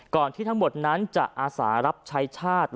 ก่อนที่ทั้งหมดนั้นจะอาสารับชายชาติ